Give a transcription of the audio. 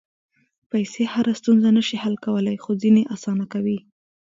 پېسې هره ستونزه نه شي حل کولی، خو ځینې اسانه کوي.